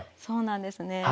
そうなんですね。